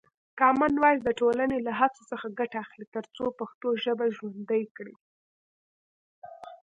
کامن وایس د ټولنې له هڅو څخه ګټه اخلي ترڅو پښتو ژبه ژوندۍ کړي.